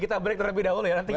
kita break terlebih dahulu ya nanti